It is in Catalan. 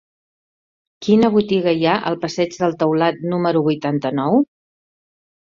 Quina botiga hi ha al passeig del Taulat número vuitanta-nou?